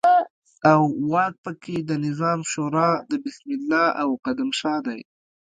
او واک په کې د نظار شورا د بسم الله او قدم شاه دی.